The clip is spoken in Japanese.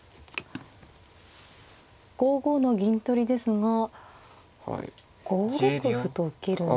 ５五の銀取りですが５六歩と受けるんですか。